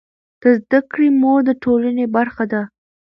د زده کړې مور د ټولنې برخه ده.